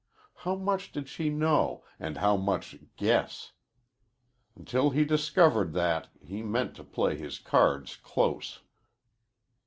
How much did she know and how much guess? Until he discovered that he meant to play his cards close.